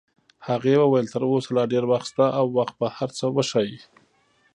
هغې وویل: تر اوسه لا ډېر وخت شته او وخت به هر څه وښایي.